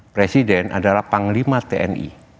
presiden adalah panglima tni